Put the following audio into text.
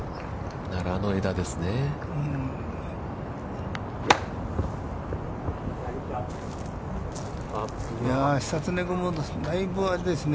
ナラの枝ですね。